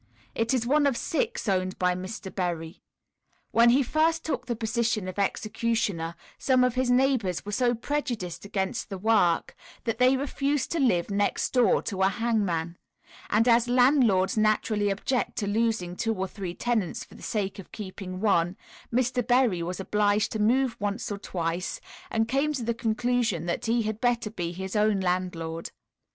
It is one of six owned by Mr. Berry. When he first took the position of executioner some of his neighbours were so prejudiced against the work, that they refused to live "next door to a hangman," and as landlords naturally object to losing two or three tenants for the sake of keeping one, Mr. Berry was obliged to move once or twice, and came to the conclusion that he had better be his own landlord.